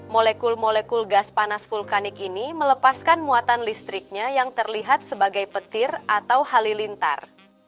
molekul molekul gas panas vulkanik ini melepaskan muatan listriknya yang terlihat sebagai petir atau halilintar